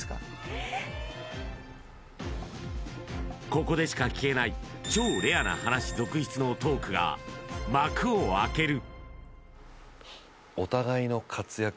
ここでしか聞けない超レアな話続出のトークが幕を開ける！